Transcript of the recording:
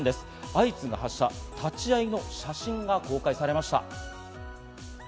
相次ぐ発射、立ち会いの写真が公開されました。